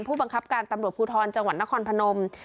ผู้บังคับการตำรวจภูทรจังหวัดนครพนม